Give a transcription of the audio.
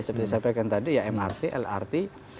seperti saya sampaikan tadi ya mrt lrt